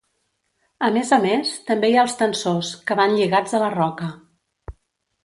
A més a més, també hi ha els tensors, que van lligats a la roca.